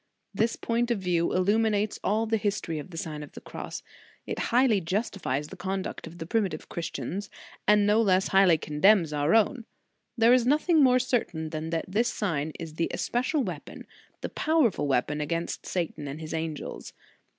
This point of view illuminates all the history of the Sign of the Cross. It highly justifies the conduct of the primitive 2oo The Sign of the Cross Christians, and no less highly condemns our own. There is nothing more certain than that this sign is the especial weapon, the powerful weapon against Satan and his an gels.